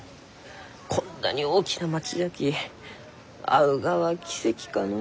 こんなに大きな町じゃき会うがは奇跡かのう。